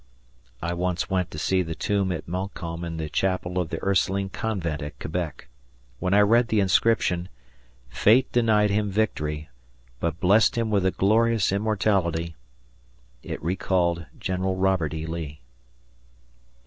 I once went to see the tomb of Montcalm in the chapel of the Ursuline Convent at Quebec. When I read the inscription "Fate denied him victory, but blessed him with a glorious immortality" it recalled General Robert E. Lee.